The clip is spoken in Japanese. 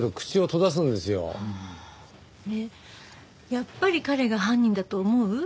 やっぱり彼が犯人だと思う？